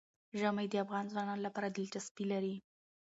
ژمی د افغان ځوانانو لپاره دلچسپي لري.